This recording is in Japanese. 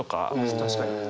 確かに。